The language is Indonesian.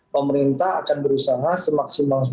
pemerintah akan berusaha semaksimal